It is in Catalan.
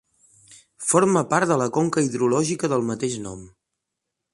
Forma part de la conca hidrològica del mateix nom.